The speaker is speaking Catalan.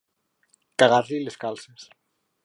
Cagar-li les calces.